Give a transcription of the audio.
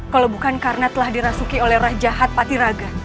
kalau bukan karena telah dirasuki oleh rah jahat batiraka